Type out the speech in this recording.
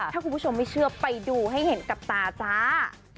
ถ้าคุณผู้ชมไม่เชื่อไปดูให้เห็นกับตาจ้า